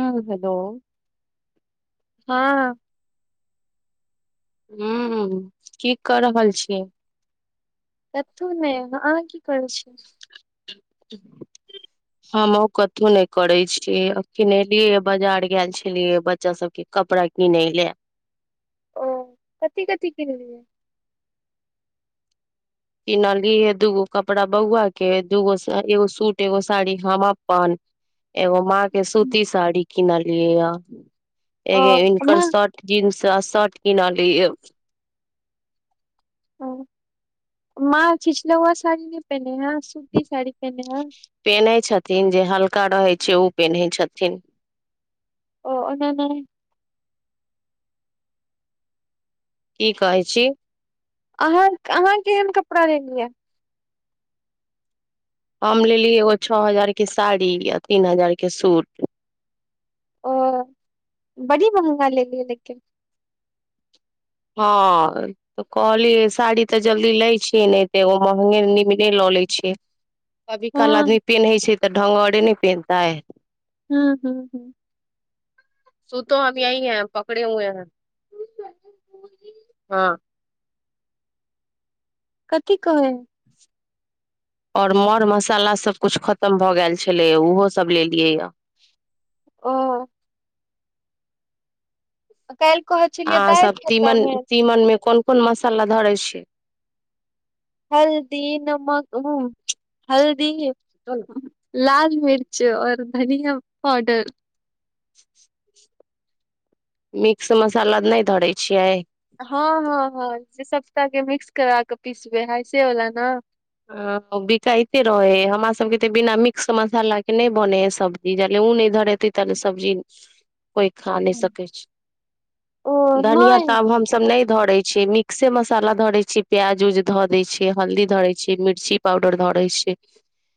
हँ हेलो हँ ह की कऽ रहल छियै कुछो नइ आहाँ की करै छियै [inaudible] [inaudible] हमहु कतहु ने करे छी एखने एलिये यऽ बाजार गैल छलिये बच्चा सब के कपड़ा किनै लऽ ओ कथी कथि किनलिये किनलिये हे दूगो कपड़ा बौआ के दूगो एगो सूट एगो साड़ी हम अपन [inaudible] एगो माँ के सूती साड़ी किनलियए य ओ एगे हिनकर माँ शर्ट जीन्स आ शर्ट किनलिये हँ माँ छिछलौआ साड़ी नइ पेन्हे हेय सूती साड़ी पेन्हे हेय पेन्है छथिन जे हल्का रहै छै उ पेन्है छथिन ओ ओना नइ की कहै छी अहाँ अहाँ केहन कपड़ा लेलियै हम लेली एगो छो हजार के साड़ी आ तीन हजार के सूट ओ बढ़ि महंगा लेलियए लेकिन हँ तऽ कहलीयै साड़ी तऽ जल्दी लै छीयै नइ तऽ एगो महंगे नीमने लऽ लैय छियै [inaudible] कभी काल आदमी पेनहै छै तऽ ढंगरे नैय पेहनतै हूँ हूँ हूँ [inaudible] कथी कहै और मर मसाला सब कुछ खतम भ गेल छले उहो सब लेलियै यऽ ओ कैल कहैत आहाँ सब तीमन तीमन मे कोन कोन मसाला धरे छी हल्दी नमक उ हल्दी [unintelligible] लाल मिर्च और धनिया पाउडर मिक्स मसाला नहि धरे छियै हँ हँ हँ जे सप्ताह हे मिक्स करा क पिसबे हइ से बला नऽ ऐं बिकायइते रहे हय हमरा सबके तऽ बिना मिक्स मसाला के नहि बने हय सब् जी जाले उ नहि धरेतै ताले सब्जी [inaudible] कोइ खा नहि सकैत ओ छै धनियाँ नहि तऽ आब हमसभ नहि धरै छियै मिक् से मसाला धरै छी प्याज उज धऽ देय छै हल्दी धरे छी मिर्ची पाउडर धरे छै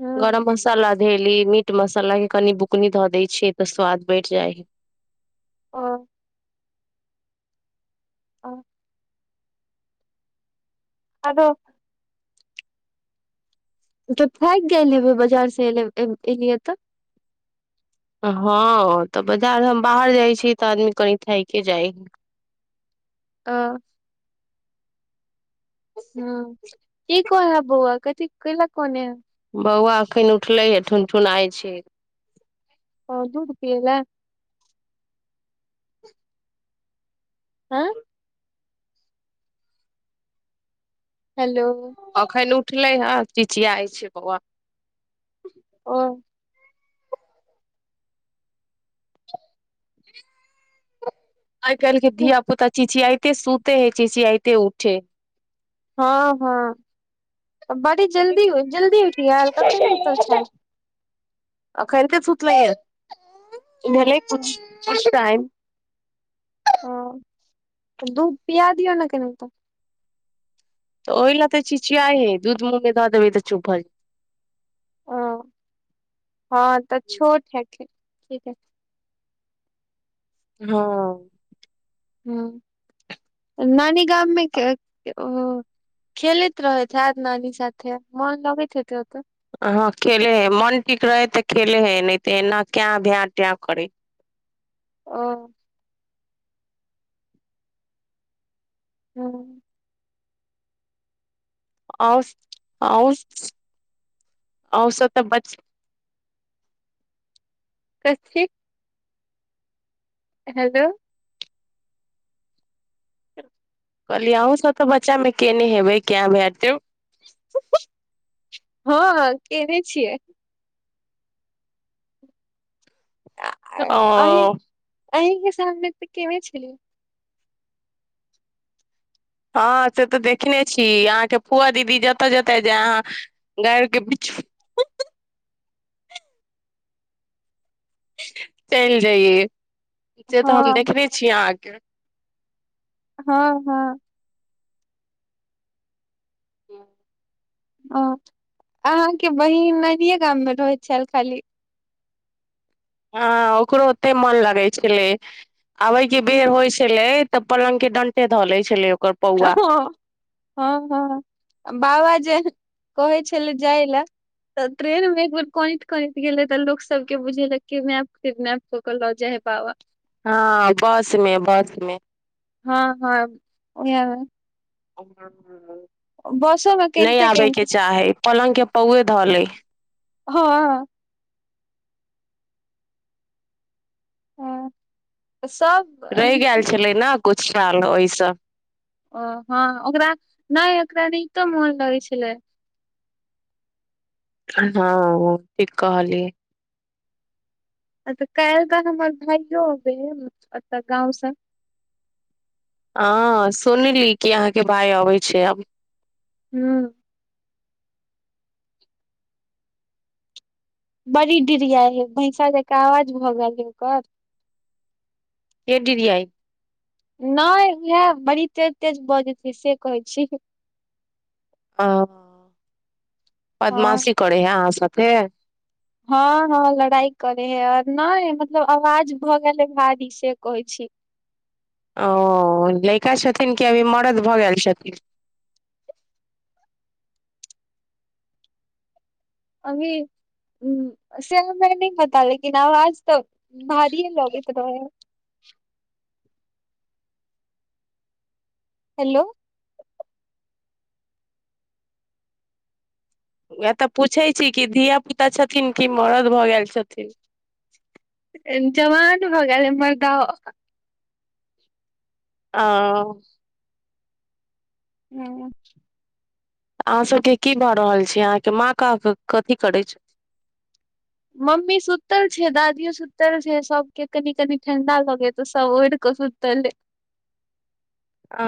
हूँ गरम मसाला देली मीट मसाला के कनि बुकनी धऽ दै छियै तऽ स्वाद बढ़ि जाय हय ओ [unintelligible] ओ [unintelligible] आदो [unintelligible] तऽ फाकि गेल एबै बाजार से एलियै तऽ हँ तऽ बाजार हम बाहर जाइ छियै तऽ आदमी कनि थाइके जाइ हय ओ हँ की कोहै हे बौआ कथी कैले कनै बौआ एखन उठलैये ठुन ठुनाइ छै ओ दुध पीयैले आँय हेलो अखन उठलै हं चिचियाइ छै बौआ ओ आइ काल्हि के धिया पुता चिचियाइते सुते है चिचियाइते उठेै हँ हँ तऽ बड़ी जल्दी जल्दी उठि गैल कखन उतल छेल अखन ते सुतल‌इए भेल‌इ कुछ टाइम ओ दूध पीया दियौ ने कनी तऽ तऽ ओहि ले तऽ चिचिया हे दूध मुँहमे धऽ देबै तऽ चुप भऽ ओ हँ तऽ छोट है ठीक है हँ हुंम्म नानी गाममे ओ खेलैत रहैत हेत आज नानी साथे मन लगैत हेतैक ओतऽ हँ खेले हइ मन ठीक रहै तऽ खेले हय नहि तऽ एना कें भें टें करै ओ हूंम्म अहूँ अहूँ अहूँ सभ तऽ बच्चे कथी [unintelligible] हेलो कहलियै अहूँ सब तऽ बच्चा मे केने हेबै कें भें टें हँ केने छियै आ ओ अहीं के सामने तऽ केने छेलियै हँ से तऽ देखने छी अहाँके फुआ दीदी जतऽ जतऽ जाय अहाँ गांयरके पीछु चलि जइयए से तऽ हम हँ देखने छी अहाँके हँ हँ [inaudible] ओ अहाँके बहिन नानीयें गाम मे रहैत छेल खाली हँ ओकरो ओते मन लगै छलै अबै के बेर हम्म, होइ छेलै तऽ पलंग के डंटे धऽ ले छलै ओकर पौआ हँ हँ हँ बाबा जे कहै छेलै जाइ ले तऽ ट्रेन मे एक बेर कनैत कनैत गेलै तऽ लोक सब के बुझेले किडमैप तिर्नेप सकरल रजे है पवा [inaudible] हँ बसमे बसमे हँ हँ ओहे बसोमे नहि कनिते आबे के कनिते चाही पलंग के पौए धऽ ले हँ हँ सब रहि एनाहिते गेल छलै ने कुछ साल ओहिसँ ओ हँ ओकरा नहि ओकरा न तो मोन लगै छलै हँ ठीक कहलिएय अ तऽ काल्हि ग हमर भाइयोब एत गाँंव से हँ सुनली कि अहाँके भाय अबै छै आब हुँ बड़ी डिरिया है भैंसा जक आवाज भऽ गेल है ओकर के डीरीयाई नहि उएह बड़ी तेज तेज बऽजेत से कहै छी ह हँ बदमाशी करे है आहाँ सभ कें हँ हँ लड़ाई करे है आर नहि मतलब आवाज भऽ गेल हे भारी से कहै छी ओ लैका छथिन कि अभी मरद भऽ गेल छथिन अभी सें न पता लेकिन आवाज तऽ भारीए लगे क [inaudible] हेलो वाह त पूछै छी कि धिया पुता छथिन कि मरद भऽ गेल छथिन जवान भऽ गेल बड़का आ ओ हुँ अहाँ सबके की भऽ रहल छी अहाँके माँ क कथी करै छै मम्मी सुतल छै दादियो सुतल छै सब के कनी कनी ठंडा लगेत सब ओइर कं सुतल आ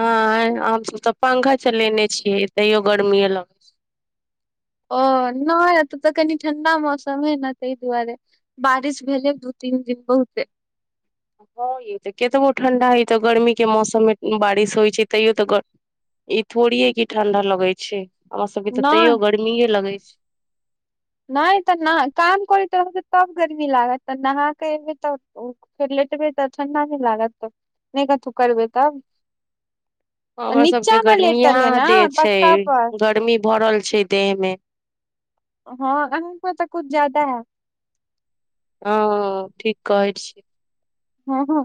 हमस तऽ पंखा चलेने छीयै तैयो गर्मीए लग ओ नहि एतऽ तऽ कनि ठण्डा मौसम है न तहि दुआरे बारिश भेले दू तीन दिन बहुते हँ ये केतबो ठंडा हइ तऽ गर्मी के मौसममे बारिश होइ छै तैयो तऽयौ गर्मी ई थोड़ीे हइ की ठंडा लगे छै हमर सबके तऽ नहि तैयो गर्मीेए लगे छै नहि तऽ न काम करैत रहब तब गर्मी लागत नहाकऽ एबै तऽ फेर लेटबै तऽ ठंडा नहि लागत तब नहि कथहु करबै तब हमर नीचा सबके मे गर्मिया लेटल है ने देह छै पक्का पर गर्मी भरल छै देह मे हँ अ तऽ कुछ जादा हायत हँ ठीक कहै छी हँ हँ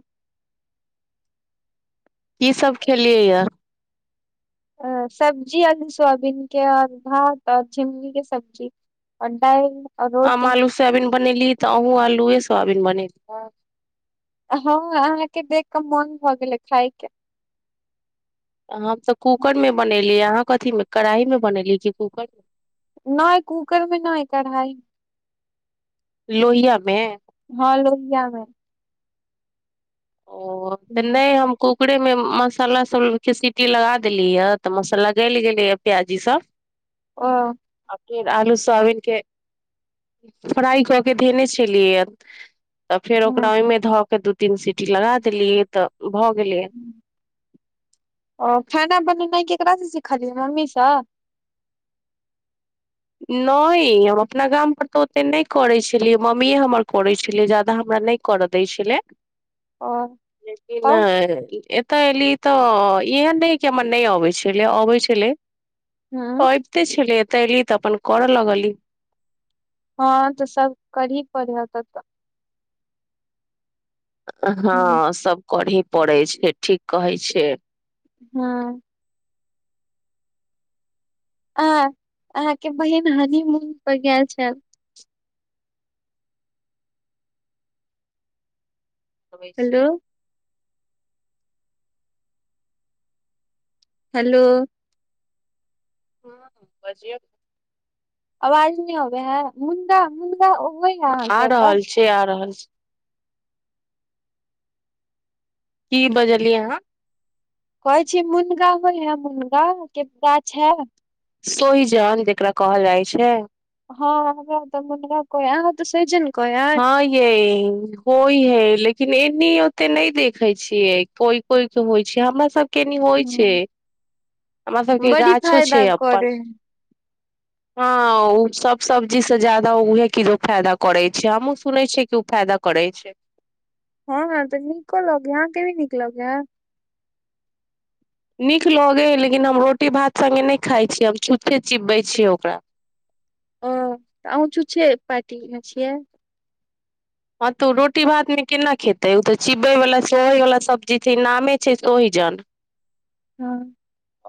की सब खेलियै या अ सब्जी अ सोयबीन के और भात औरझुमनी के सब्जी आ दालि और आ रोटी आालू सोआबिन बनेली तऽ अहूँ आलुए सोआबिन अभी बनेलिय हँ अहाँके देख कऽ मोन भऽ गेलै खाय के हम तऽ कूकर मे बनेली अहाँ कथीमे कढ़ाइ मे बनेली कि कूकर मे नहि कूकर मे नहि ह कढ़ाइ लोहिआमे हँ लोहिया मे ओ तऽ नहि हम कुकरे में मसाला सब के सीटी लगा देली ये तऽ मसाला गलि गेले ये प्याजी सब ओ आ केर आलू सोआबीन के फ्राई कऽ के धेने छलियै तऽ फेर ह ओकरा ओहिमे धऽ के दू तीन सीटी लगा देलियै तऽ भऽ गेलै ओ खाना बनेनाइ केकरा से सिखलिय मम्मी सॅं नहि हम अपना गाम पर तऽ ओते नहि करै छलियै मम्मीए हमर करै छलियै जादा हमरा नहि करअ दय छलै ओ लेकिन तब एतऽ एली तऽ एहन नहि कि हमर नहि अबै छलै अबै छलै हँ एते छले एते एली तऽ अपन करऽ लगली हँ तऽ सब करही पड़े ह त ह हँ सब करही पड़ै छै ठीक कहै छै हँ आ अहाके बहिन हानिमून पर गेल छल। अबै हेलो छै हेलो हॅं बजियो आवाज नहि होबै है मुंदा मुऽ आ रहल छै के आ रहल छै की बजिलिय अहाँ कहै छी मुनगा होइ है मुनगा के गाछ है सोहिजन जेकरा कहल जाइ छै हँ हमरा ओतऽ मुनगा कहे है आहाॅं ओतऽ सोहिजन हँ यऽ होइ है लेकिन एनी ओते नहि देखे छियै कोइ कोई के होइ छै हमरा सब कनि होइ हँ छै हमरा सबके बड़ी गाछो छै फायदा अपन करे हॅं ओ सब सब्जी से जदा उहे किलो फायदा करे छै हमहु सुनै छियै कि ओ फायदा करै छै हँ हँ तऽ नीको लगे हँ अहाॅं के नइ नीक लगे है नीक लगे लेकिन हम रोटी भात सङ्गे नहि खाइ छी हम छुच्छे चिबबै छियै ओकरा ओऽ आहू छुच्छे पार्टी मे छियै हँ तऽ ओ रोटी भातमे केना खेतै ओ तऽ चिबयवला सहयवला सब्जी छै ई नामे छै सोहिजन हँ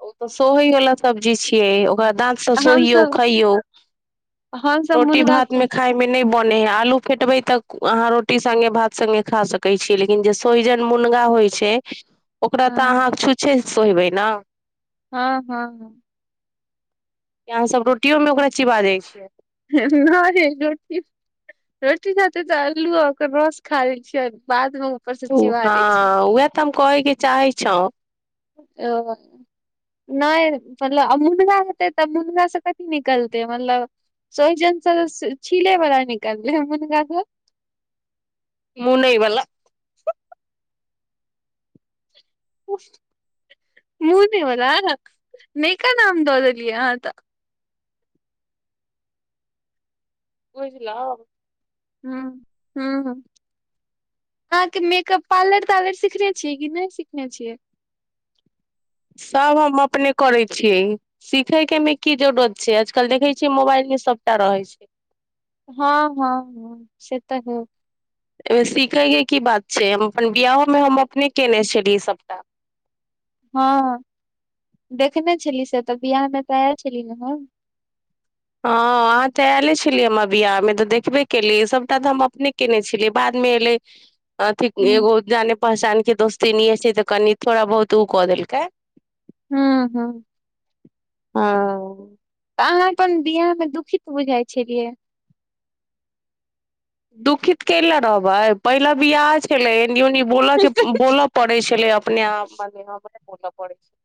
ओ तऽ सोहे वला सब्जी छिये ओकरा दात सोहियो हमसब खईयो हमसब रोटी मुनगा भात मे कहै खाई मे नहि बने है आलू फेटबै तऽ अहाँ रोटी सङ्गे भात सङ्गे खा सकै छीयै लेकिन जे सोहिजन मुनगा होइ छै ओकरा हँ तऽ अहाँ छुच्छे सोेहिबै नाऽ हँ हँ हॉं या अहाँ सब रोटियों में ओकरा चिबा जाइ छियै नहि रोटी रोटी साथे तऽ अल्लू ओकर रस खा लै छियै बाद मे ऊपर से हँ चिबा लै छी। उएह तऽ हम कहेके चाहे छौ ओ नहि मतलब आ मुनगा हेतै तऽ मुनगा से कथी निकलतै मतलब सोहिजन तऽ छीले बला निकाले है मुनगा कऽ मुने वला मुने बला नेका नाम दऽ देलियै अहाँ तऽ बुझल‌उ हँ हँ अहाँं के मेकअप पार्लर तार्लर सिखने छियै कि नहि सिखने छीयै सब हम अपने करै छियै सिखे के मे की जरूरत छै आजकल देखे छियै मोबाइल मे सबटा रहै छै हँ हँ हँ से तऽ ही अयमे सीखयके की बात छै हम अपन बियाहमे हम अपने कयने छलियै सभटा हँ देखने छली से तऽ बियाह मे तऽ आय छली ने हम ह अहाँ ते एयले छलियै हमरा बियाह मे तऽ देखबे केलियै सबटा तऽ हम अपने केने छलियै बाद मे एले अथीक हूं एगो जाने पहचान के दोस्तीनीये छै तऽ कनि थोड़ा बहुत उ क देलकै हू हँ हँ तऽ अहाँ अपन बियाह मे दुखित बुझाइ छलियै दुखित क‌इला रहबै पहिले बियाह छलै नियु नियु बोल के बोलऽ पड़े छलै अपने म बोलऽ पड़े छल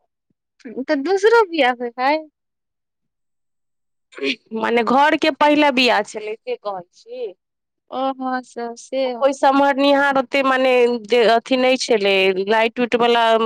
तऽ दूसरो बिआह होय हय मने घर के पहिला बिआह छलै से कहै छी ओहोँ हँ स से कोइ सम्हरनिहार ओते मने जे अथी नहि छले लाइट उट वाला